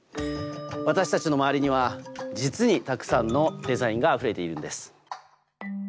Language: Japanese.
私たちの周りには実にたくさんのデザインがあふれているんです。